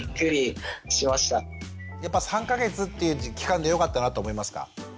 やっぱ３か月っていう期間でよかったなと思いますか？